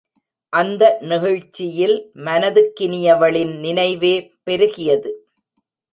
அந்த நெகிழ்ச்சியில் மனதுக்கினியவளின் நினைவே பெருகியது.